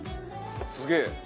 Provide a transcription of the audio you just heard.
すげえ！